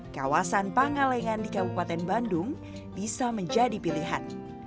kawasan pangalengan di kabupaten bandung bisa menjadi pilihan